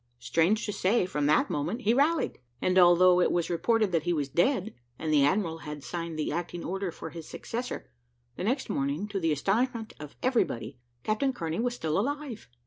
Strange to say, from that moment he rallied; and although it was reported that he was dead, and the admiral had signed the acting order for his successor, the next morning, to the astonishment of everybody, Captain Kearney was still alive.